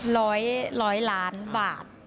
ร้อยร้อยล้านบาท